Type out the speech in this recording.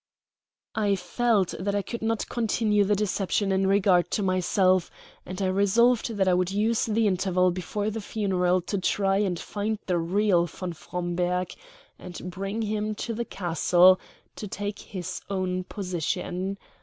I felt that I could not continue the deception in regard to myself; and I resolved that I would use the interval before the funeral to try and find the real von Fromberg, and bring him to the castle to take his own position.